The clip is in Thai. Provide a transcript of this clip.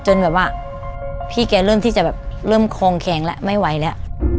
แบบว่าพี่แกเริ่มที่จะแบบเริ่มคองแข็งแล้วไม่ไหวแล้ว